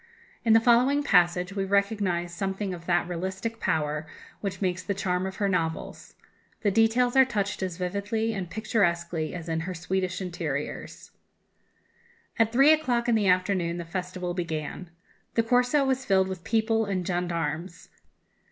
In the following passage we recognize something of that realistic power which makes the charm of her novels. The details are touched as vividly and picturesquely as in her Swedish interiors: "At three o'clock in the afternoon the festival began. The Corso was filled with people and gendarmes.